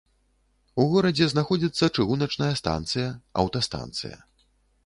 У горадзе знаходзіцца чыгуначная станцыя, аўтастанцыя.